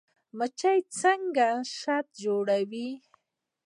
مچۍ څنګه شات جوړوي؟